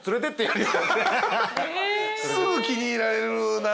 すぐ気に入られるな。